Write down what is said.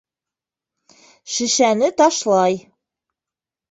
Шешәне ташлай.